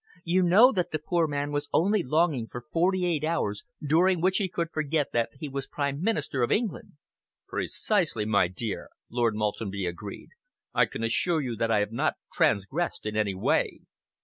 You know that the poor man was only longing for forty eight hours during which he could forget that he was Prime Minister of England." "Precisely, my dear," Lord Maltenby agreed. "I can assure you that I have not transgressed in any way.